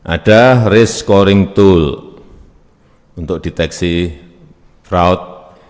ada risk scoring tool untuk deteksi fraud